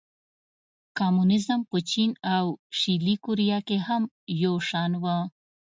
کمونېزم په چین او شلي کوریا کې هم یو شان و.